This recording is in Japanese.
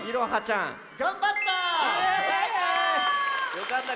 よかった。